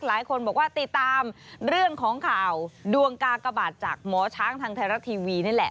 หลายคนบอกว่าติดตามเรื่องของข่าวดวงกากบาทจากหมอช้างทางไทยรัฐทีวีนี่แหละ